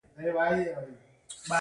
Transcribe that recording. وچي شیدې د نس باد زیاتوي.